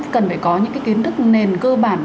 cần phải có những cái kiến thức nền cơ bản